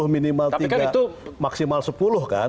maksimal sepuluh kan